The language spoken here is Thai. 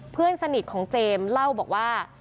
เพื่อนสนิทของเจมส์เล่าบอกว่า